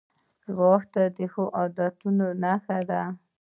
ځغاسته د ښو عادتونو نښه ده